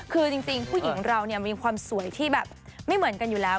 คือจริงผู้หญิงเราเนี่ยมีความสวยที่แบบไม่เหมือนกันอยู่แล้ว